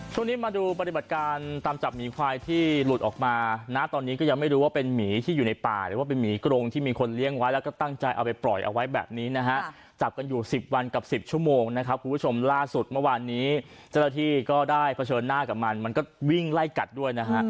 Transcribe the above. ช่วงนี้มาดูปฏิบัติการตามจับหมีควายที่หลุดออกมานะตอนนี้ก็ยังไม่รู้ว่าเป็นหมีที่อยู่ในป่าหรือว่าเป็นหมีกรงที่มีคนเลี้ยงไว้แล้วก็ตั้งใจเอาไปปล่อยเอาไว้แบบนี้นะฮะจับกันอยู่สิบวันกับสิบชั่วโมงนะครับคุณผู้ชมล่าสุดเมื่อวานนี้เจ้าหน้าที่ก็ได้เผชิญหน้ากับมันมันก็วิ่งไล่กัดด้วยนะฮะ